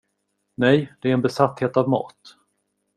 Nej, det är en besatthet av mat.